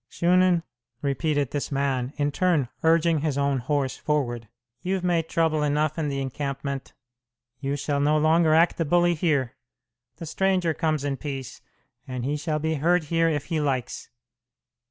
"Shunan," repeated this man, in turn urging his own horse forward, "you've made trouble enough in the encampment. You shall no longer act the bully here. The stranger comes in peace, and he shall be heard here if he likes.